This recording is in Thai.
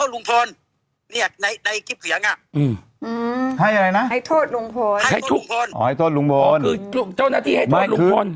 แล้วก็อีกจะมีว่าเจ้าหน้าที่ให้โทษลุงพนในกินเสียง